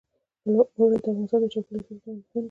اوړي د افغانستان د چاپیریال ساتنې لپاره مهم دي.